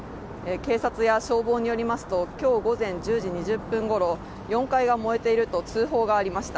警察や消防によりますと今日午前１０時２０分ごろ、４階が燃えていると通報がありました。